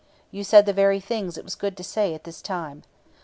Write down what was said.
You said the very things it was good to say at this time.